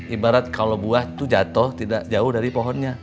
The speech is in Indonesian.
ibarat kalau buah itu jatuh tidak jauh dari pohonnya